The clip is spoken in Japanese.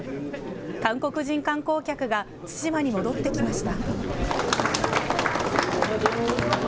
韓国人観光客が対馬に戻ってきました。